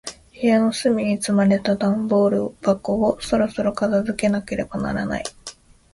部屋の隅に積まれた段ボール箱を、そろそろ片付けなければならない。